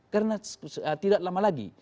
karena tidak lama lagi